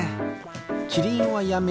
キリンはやめて。